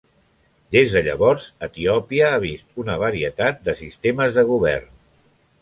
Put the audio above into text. Des de llavors, Etiòpia ha vist una varietat de sistemes de govern.